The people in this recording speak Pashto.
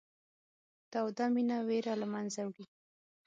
توده مینه وېره له منځه وړي.